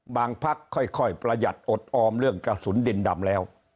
พักค่อยประหยัดอดออมเรื่องกระสุนดินดำแล้ว